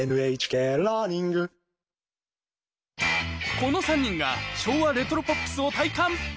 この３人が昭和レトロポップスを体感。